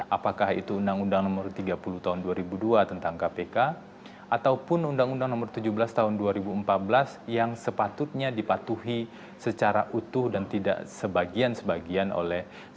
apakah itu undang undang nomor tiga puluh tahun dua ribu dua tentang kpk ataupun undang undang nomor tujuh belas tahun dua ribu empat belas yang sepatutnya dipatuhi secara utuh dan tidak sebagian sebagian oleh